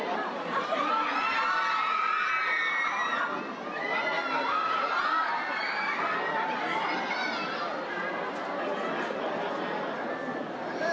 สวัสดีครับ